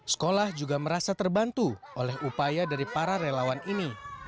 sekolah juga merasa terbantu oleh upaya dari para relawan ini